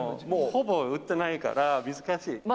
もう、ほぼ打ってないから、難しい。